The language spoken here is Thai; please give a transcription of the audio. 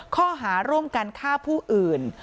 ข้อหาร่วมกันฆ่าผู้อื่น